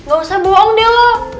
gak usah bohong dia lo